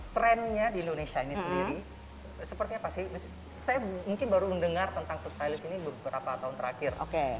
trendnya di indonesia ini sendiri seperti apa sih saya mungkin baru mendengar tentang food stylist ini beberapa tahun terakhir